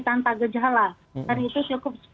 tanpa gejala dan itu cukup